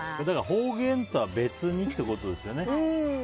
方言とは別にってことですよね。